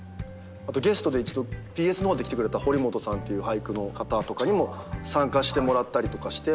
あとゲストで一度ＢＳの方で来てくれた堀本さんっていう俳句の方とかにも参加してもらったりとかして。